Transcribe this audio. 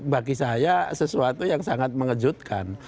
bagi saya sesuatu yang sangat mengejutkan